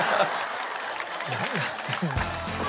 何やってんの。